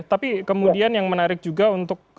tapi kemudian yang menarik juga untuk